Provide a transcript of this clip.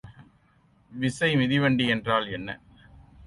விசைமிதிவண்டி என்றால் என்ன?